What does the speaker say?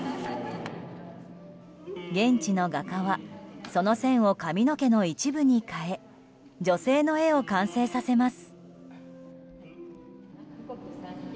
現地の画家は、その線を髪の毛の一部に変え女性の絵を完成させます。